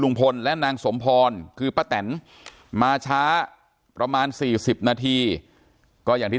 และนางสมพรคือป้าแตนมาช้าประมาณ๔๐นาทีก็อย่างที่